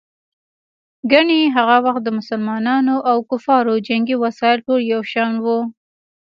ګیني هغه وخت د مسلمانانو او کفارو جنګي وسایل ټول یو شان وو.